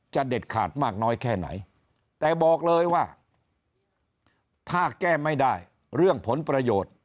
เด็ดขาดมากน้อยแค่ไหนแต่บอกเลยว่าถ้าแก้ไม่ได้เรื่องผลประโยชน์